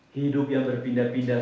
hidup yang berpindah pindah